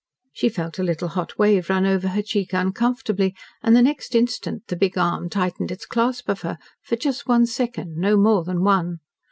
She felt a little hot wave run over her cheek uncomfortably, and the next instant the big arm tightened its clasp of her for just one second not more than one.